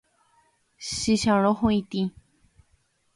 Chicharõ huʼitĩ.